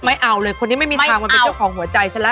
ไม่เอาเลยคนนี้ไม่มีทางมาเป็นเจ้าของหัวใจฉันละ